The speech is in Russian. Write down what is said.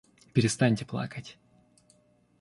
Перестаньте плакать.